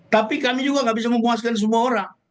tapi kami juga nggak bisa memuaskan semua orang